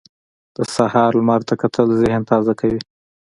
د سهار لمر ته کتل ذهن تازه کوي.